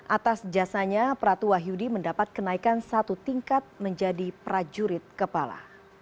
atas jasanya pratu wahyudi mendapat kenaikan satu tingkat menjadi prajurit kepala